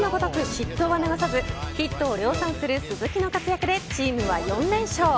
まるでマシンのごとく失投は逃さずヒットを量産する鈴木の活躍でチームは４連勝。